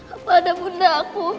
apa ada bunda aku